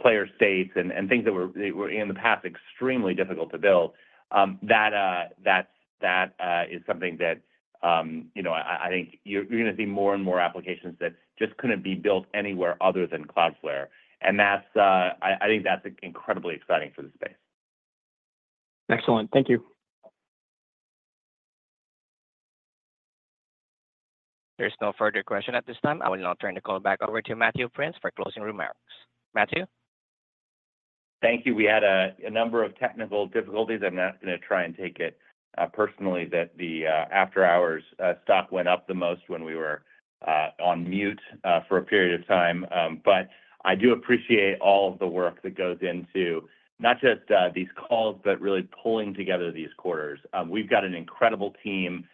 player states and things that were in the past extremely difficult to build. That is something that I think you're going to see more and more applications that just couldn't be built anywhere other than Cloudflare. I think that's incredibly exciting for the space. Excellent. Thank you. There's no further question at this time. I will now turn the call back over to Matthew Prince for closing remarks. Matthew? Thank you. We had a number of technical difficulties. I'm not going to try and take it personally that the after-hours stock went up the most when we were on mute for a period of time. But I do appreciate all of the work that goes into not just these calls, but really pulling together these quarters. We've got an incredible team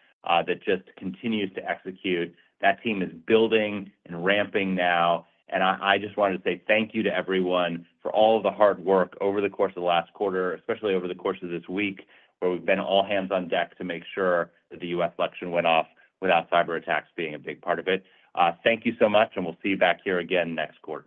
that just continues to execute. That team is building and ramping now. And I just wanted to say thank you to everyone for all of the hard work over the course of the last quarter, especially over the course of this week where we've been all hands on deck to make sure that the U.S. election went off without cyberattacks being a big part of it. Thank you so much, and we'll see you back here again next quarter.